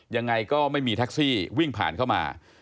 ยังไงก็ไม่มีแท็กซี่วิ่งผ่านเข้ามา